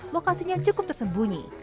lokasinya cukup tersembunyi